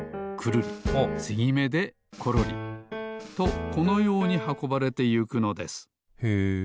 つぎめでコロリ。とこのようにはこばれてゆくのですへえ。